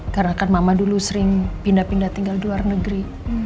karena kan mama dulu sering pindah pindah tinggal di luar negeri